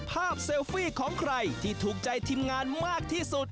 เซลฟี่ของใครที่ถูกใจทีมงานมากที่สุด